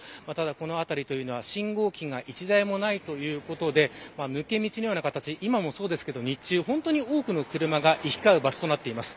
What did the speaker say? この辺りは、信号機が１台もないということで抜け道のような形今もそうですけど日中は多くの車が行き交う場所となっています。